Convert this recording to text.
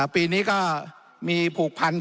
ปีนี้ก็มีผูกพัน